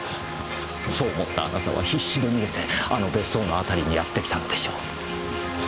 そう思ったあなたは必死で逃げてあの別荘の辺りにやってきたのでしょう。